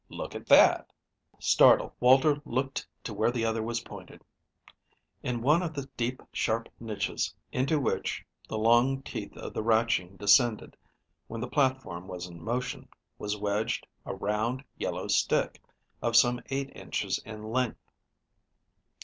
"Look at that!" Startled, Walter looked to where the other was pointing. In one of the deep, sharp niches, into which the long teeth of the ratching descended when the platform was in motion, was wedged a round, yellow stick, of some eight inches in length.